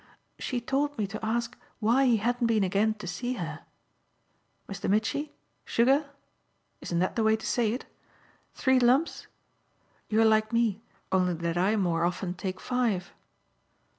"She told me to ask why he hadn't been again to see her. Mr. Mitchy, sugar? isn't that the way to say it? Three lumps? You're like me, only that I more often take five."